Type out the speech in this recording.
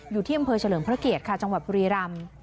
อยู่ที่อำเภอเฉริยพระเกษจังหวัดภิริรำ